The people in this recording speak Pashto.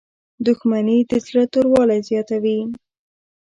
• دښمني د زړه توروالی زیاتوي.